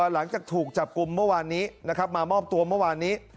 หลังจากถูกจับกลุ่มเมื่อวานนี้นะครับมามอบตัวเมื่อวานนี้